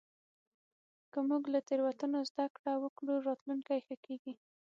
که موږ له تېروتنو زدهکړه وکړو، راتلونکی ښه کېږي.